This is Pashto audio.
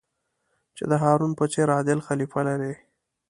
چې د هارون په څېر عادل خلیفه لرئ.